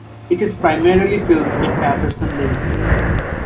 It is primarily filmed in Patterson Lakes.